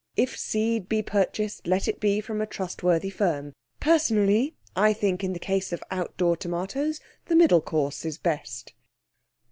If seed be purchased let it be from a trustworthy firm. Personally, I think in the case of outdoor tomatoes the middle course is best.